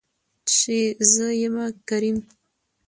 چې زه يمه کريم .